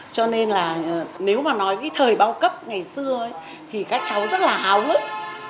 cho nên là nếu mà nói cái thời bao cấp ngày xưa thì các cháu rất là hào hức